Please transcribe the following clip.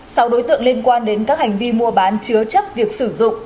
sau đối tượng liên quan đến các hành vi mua bán chứa chấp việc sử dụng